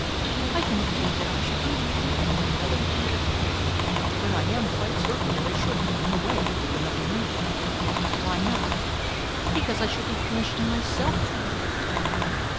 "I don't think that I should do that," Helen admitted quietly, "but I am quite certain that I shouldn't run away with another man." "Why not?" "Because I should be punishing myself too much."